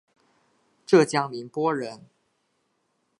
浙江宁波人。